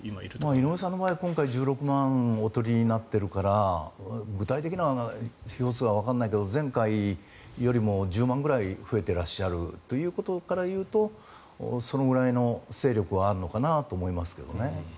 井上さんの場合は具体的な票数はわからないけど前回よりも１０万ぐらい増えていらっしゃるということから言うとそのぐらいの勢力はあるのかなと思いますけどね。